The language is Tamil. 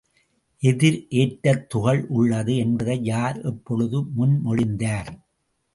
எதிர்ஏற்றத் துகள் உள்ளது என்பதை யார் எப்பொழுது முன்மொழிந்தார்?